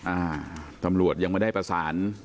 อ่าตำรวจยังไม่ได้ประสาน